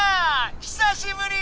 久しぶり！